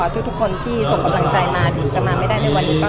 ทุกคนที่ส่งกำลังใจมาถึงจะมาไม่ได้ในวันนี้